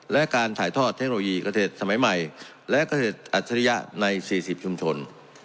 และการถ่ายทอดเทคโนโลยีเกษตรสมัยใหม่และเกษตรอัจฉริยะใน๔๐ชุมชน